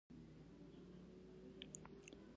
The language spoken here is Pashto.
خوب د روح له ستړیا ژغوري